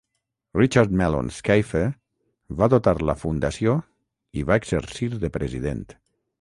Richard Mellon Scaife va dotar la fundació i va exercir de president.